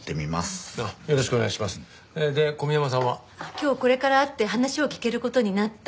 今日これから会って話を聞ける事になった。